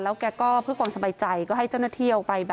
แกก็เพื่อความสบายใจก็ให้เจ้าหน้าที่ออกไป